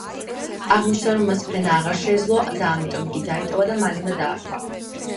აღმოჩნდა, რომ მას ფრენა აღარ შეეძლო და ამიტომ იგი დაიტოვა და მალენა დაარქვა.